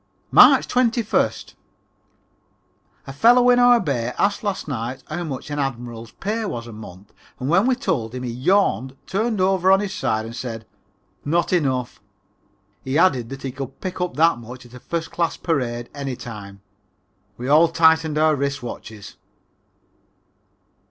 March 21st. A fellow in our bay asked last night how much an admiral's pay was a month and when we told him he yawned, turned over on his side and said, "Not enough." He added that he could pick up that much at a first class parade any time. We all tightened our wrist watches.